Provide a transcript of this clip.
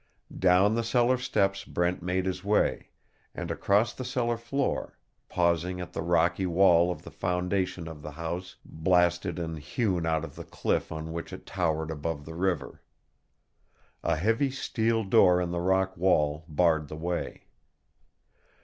Down the cellar steps Brent made his way, and across the cellar floor, pausing at the rocky wall of the foundation of the house blasted and hewn out of the cliff on which it towered above the river. A heavy steel door in the rock wall barred the way.